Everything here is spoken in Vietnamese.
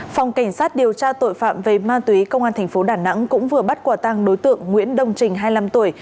phòng cảnh sát điều tra tội phạm về ma túy công an tp đà nẵng cũng vừa bắt quả tăng đối tượng nguyễn đông trình hai mươi năm tuổi